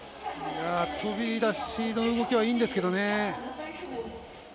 飛び出しの動きはいいんですけどね。